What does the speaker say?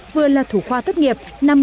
vừa là thủ khoa thất nghiệp